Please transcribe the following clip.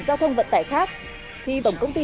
giao thông vận tải khác thì bổng công ty